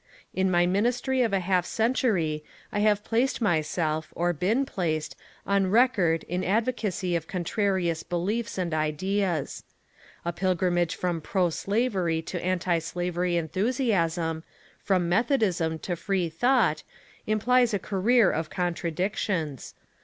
In my ministry of a half cen tury I have placed myself, or been placed, on record in advo cacy of contrarious beliefs and ideas. A pilgrimage from proslavery to antislavery enthusiasm, from Methodism to Freethought, implies a career of contradictions.